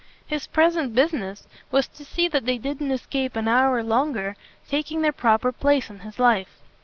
His present business was to see that they didn't escape an hour longer taking their proper place in his life.